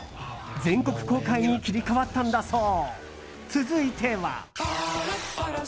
全国公開に切り替わったんだそう。